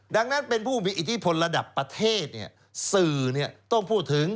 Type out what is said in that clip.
ดังนั้นเป็นผู้มีอิทธิพลระดับประเทศสื่อต้องพูดถึง